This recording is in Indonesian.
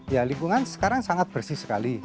ya lingkungan sekarang sangat bersih sekali